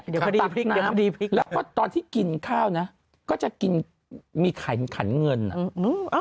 เดี๋ยวเขาดีพริกเดี๋ยวเขาดีพริกแล้วก็ตอนที่กินข้าวน่ะก็จะกินมีขันขันเงินอ่ะ